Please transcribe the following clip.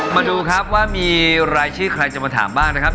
มาดูครับว่ามีรายชื่อใครจะมาถามบ้างนะครับ